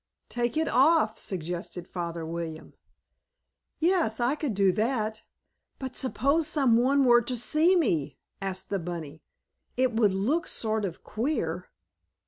"Take it off," suggested Father William. "Yes, I could do that. But suppose some one were to see me?" asked the bunny. "It would look sort of queer."